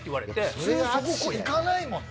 普通そこ行かないもんね。